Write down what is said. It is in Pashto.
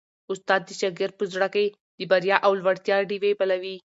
استاد د شاګرد په زړه کي د بریا او لوړتیا ډېوې بلوي.